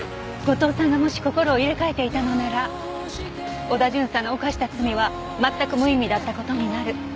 後藤さんがもし心を入れ替えていたのなら織田巡査の犯した罪は全く無意味だった事になる。